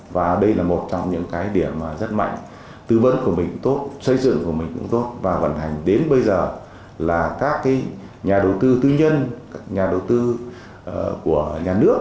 và đây là một trong những cái điểm rất mạnh tư vấn của mình cũng tốt xây dựng của mình cũng tốt và vận hành đến bây giờ là các nhà đầu tư tư nhân các nhà đầu tư của nhà nước